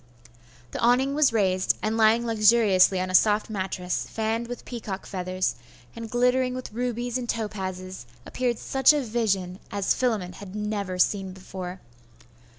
The awning was raised, and lying luxuriously on a soft mattress, fanned with peacock's feathers, and glittering with rubies and topazes, appeared such a vision as Philammon had never seen before.